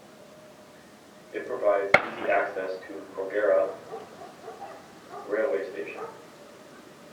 It provides easy access to Kogarah railway station.